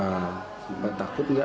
nah sempat takut nggak